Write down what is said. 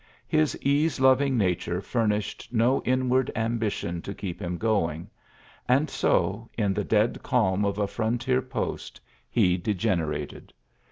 His ease loving nature furnished no inward ambition to keep him going; and so, in the dead calm of a frontier post, he degenerated.